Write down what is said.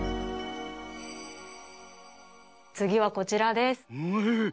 つぎはこちらです。